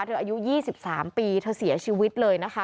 อายุ๒๓ปีเธอเสียชีวิตเลยนะคะ